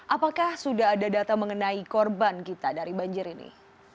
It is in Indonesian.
apakah sudah ada data mengenai korban kita dari banjir ini